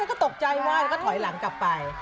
ก็ตกใจมากแล้วก็ถอยหลังกลับไป